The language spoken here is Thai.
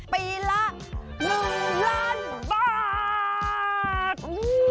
ปีละหนึ่งล้านบาท